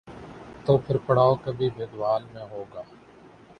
تو پھر پڑاؤ کبھی بھگوال میں ہو گا۔